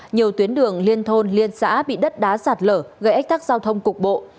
nhiều tuyến đường liên thôn liên xã bị đất đá sạt lở gây ách tắc giao thông cục bộ